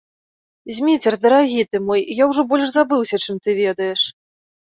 Зміцер, дарагі ты мой, я ўжо больш забыўся, чым ты ведаеш.